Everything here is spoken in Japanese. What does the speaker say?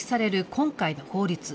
今回の法律。